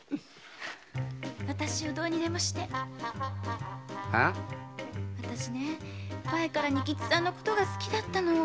私をどうにでもして私ね前から仁吉っつぁんの事が好きだったの。